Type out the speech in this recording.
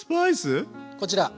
こちら。